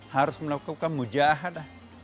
harus melakukan mujahadah